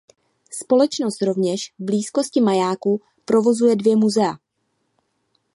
Společnost rovněž v blízkosti majáku provozuje dvě muzea.